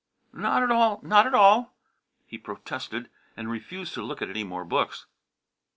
"Not at all, not at all!" he protested, and refused to look at any more books.